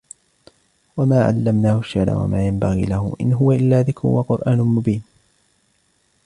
وَمَا عَلَّمْنَاهُ الشِّعْرَ وَمَا يَنْبَغِي لَهُ إِنْ هُوَ إِلَّا ذِكْرٌ وَقُرْآنٌ مُبِينٌ